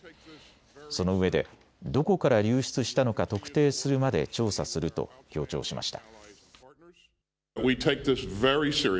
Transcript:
そのうえでどこから流出したのか特定するまで調査すると強調しました。